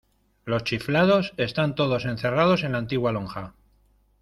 Los chiflados están todos encerrados en la antigua lonja.